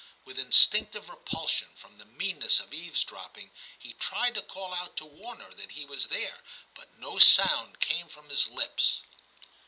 With instinctive repulsion from the meanness of eavesdropping, he tried to call out to warn her that he was there but no sound came from his lips.